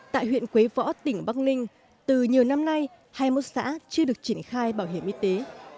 tại huyện quế võ tỉnh bắc ninh từ nhiều năm nay hai mươi một xã chưa được triển khai bảo hiểm y tế